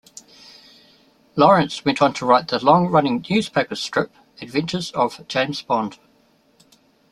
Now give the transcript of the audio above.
Lawrence went on to write the long running newspaper strip adventures of James Bond.